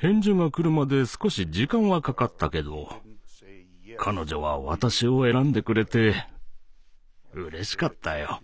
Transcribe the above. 返事が来るまで少し時間はかかったけど彼女は私を選んでくれてうれしかったよ。